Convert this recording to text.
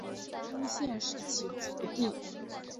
胡宗宪是其族弟。